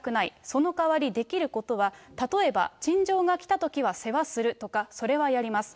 その代わり、できることは例えば陳情が来たときは世話するとか、それはやります。